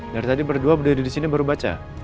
dari tadi berdua berada disini baru baca